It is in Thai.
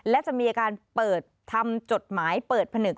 และจะมีการเปิดทำจดหมายเปิดผนึก